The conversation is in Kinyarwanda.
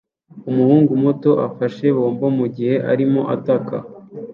Umuhungu muto afashe bombo mugihe arimo ataka